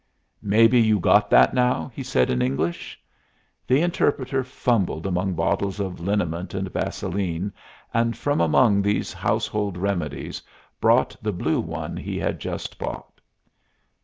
"Maybe you got that now?" he said, in English. The interpreter fumbled among bottles of liniment and vaseline, and from among these household remedies brought the blue one he had just bought.